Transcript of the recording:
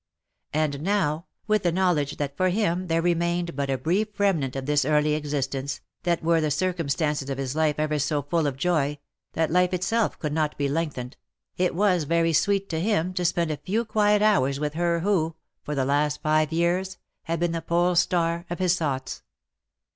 And now, with the knowledge that for him there re mained but a brief remnant of this earthly existence, that were the circumstances of his life ever so full of joy, that life itself could not be lengthened, it was very sweet to him to spend a few quiet hours with her who, for the last five years, had been the pole star of his thoughts.